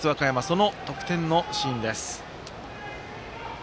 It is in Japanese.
その得点のシーンです。